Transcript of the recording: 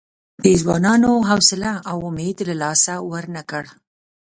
دې ځوانانو حوصله او امید له لاسه ورنه کړ.